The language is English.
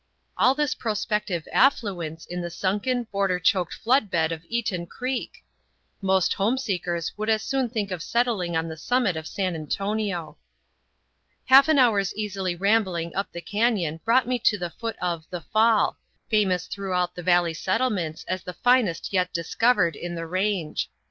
All this prospective affluence in the sunken, boulder choked flood bed of Eaton Creek! Most home seekers would as soon think of settling on the summit of San Antonio. Half an hour's easy rambling up the cañon brought me to the foot of "The Fall," famous throughout the valley settlements as the finest yet discovered in the range.